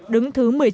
đứng thứ một mươi chín